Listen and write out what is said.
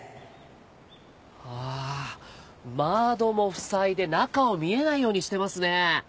ああ窓も塞いで中を見えないようにしてますね。